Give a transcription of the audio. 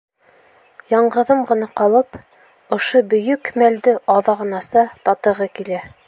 Яңғыҙым ғына ҡалып, ошо бөйөк мәлде аҙағынаса татығы килә.